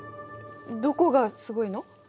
どこがすごいの？